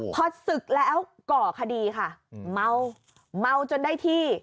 พอศึกแล้วก่อคดีค่ะเมาเมาจนได้ที่